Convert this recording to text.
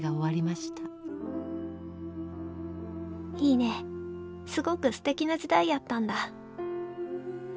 「いいねすごく素敵な時代やったんだ」。